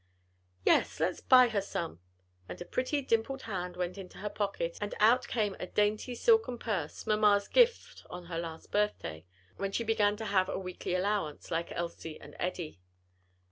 "Yes; let's buy her some," and a pretty dimpled hand went into her pocket, and out came a dainty, silken purse, mamma's gift on her last birthday, when she began to have a weekly allowance, like Elsie and Eddie.